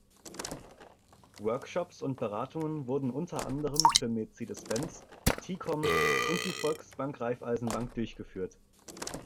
Workshops und Beratungen wurden unter anderem für Mercedes-Benz, T-Com und die Volksbank Raiffeisenbank durchgeführt.